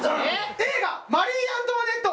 映画『マリー・アントワネット』。